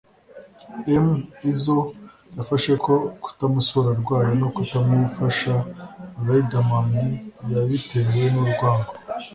M Izzo yafashe ko kutamusura arwaye no kutamufasha Riderman yabitewe n’urwango